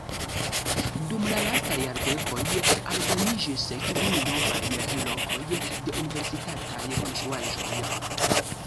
Dum la lastaj jardekoj aldoniĝis kvin novaj lokoj de universitataj konstruaĵoj.